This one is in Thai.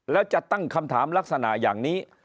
แล้วจะตั้งคำถามลักษณะอย่างนี้